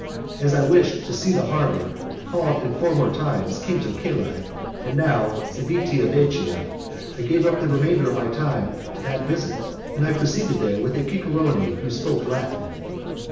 As I wished to see the harbour called in former times Centum cellae and now Civita Vecchia, I gave up the remainder of my time to that visit, and I proceeded there with a cicerone who spoke Latin.